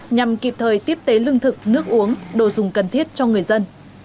nhằm kịp thời tiếp tế lương thực nước uống đồ dùng cần thiết cho người dân